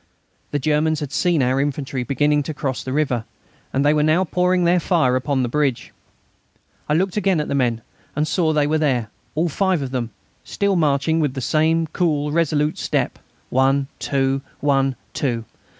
The Germans had seen our infantry beginning to cross the river, and they were now pouring their fire upon the bridge. I looked again at the men, and saw they were there, all five of them, still marching with the same cool, resolute step: one, two; one, two.